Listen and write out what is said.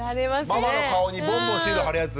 ママの顔にボンボンシール貼るやつ。